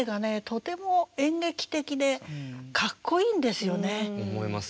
とても演劇的でかっこいいんですよね。